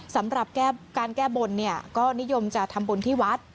สำหรับการแก้บนเนี่ยก็นิยมจะทำบุญที่วัด